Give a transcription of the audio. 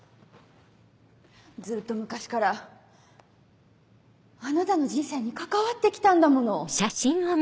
ずっと昔からあなたの人生に関わって来たんだもの。